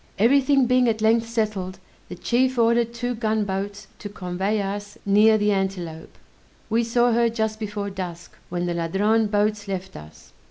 Every thing being at length settled, the chief ordered two gunboats to convey us near the Antelope; we saw her just before dusk, when the Ladrone boats left us.